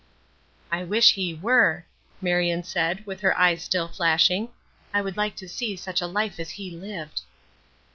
"I wish he were," Marion said, with her eyes still flashing. "I would like to see such a life as he lived."